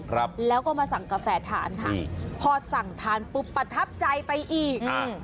ครับแล้วก็มาสั่งกาแฟทานค่ะนี่พอสั่งทานปุ๊บประทับใจไปอีกอ่า